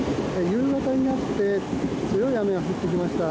夕方になって強い雨が降ってきました。